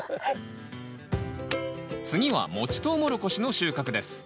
次はもちトウモロコシの収穫です。